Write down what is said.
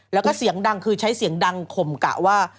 แล้วก็เสียงดังคือใช้เสียงดังข่มกะว่า